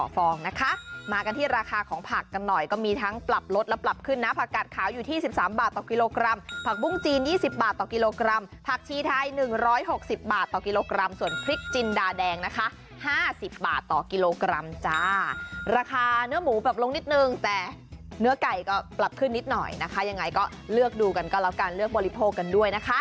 ฟองนะคะมากันที่ราคาของผักกันหน่อยก็มีทั้งปรับลดแล้วปรับขึ้นนะผักกาดขาวอยู่ที่สิบสามบาทต่อกิโลกรัมผักบุ้งจีนยี่สิบบาทต่อกิโลกรัมผักชีไทยหนึ่งร้อยหกสิบบาทต่อกิโลกรัมส่วนพริกจินดาแดงนะคะห้าสิบบาทต่อกิโลกรัมจ้าราคาเนื้อหมูปรับลงนิดหนึ่งแต่เนื้อไก่ก็ปรับ